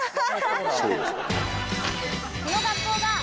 この学校が。